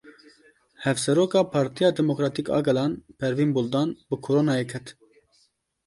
Hevseroka Partiya Demokratîk a Gelan Pervin Buldan bi Coronayê ket.